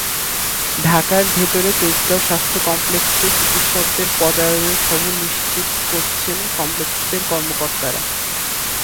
ঢাকার ভেতরে তেজগাঁও স্বাস্থ্য কমপ্লেক্সে চিকিৎসকদের পদায়নের খবর নিশ্চিত করেছেন কমপ্লেক্সের কর্মকর্তারা।